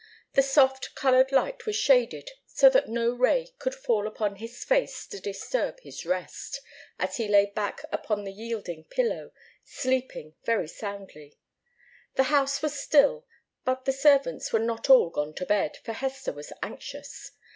The soft, coloured light was shaded so that no ray could fall upon his face to disturb his rest, as he lay back upon the yielding pillow, sleeping very soundly. The house was still, but the servants were not all gone to bed, for Hester was anxious.